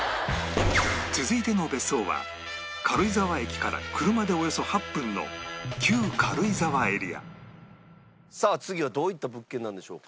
続いての別荘は軽井沢駅から車でおよそ８分の旧軽井沢エリアさあ次はどういった物件なんでしょうか？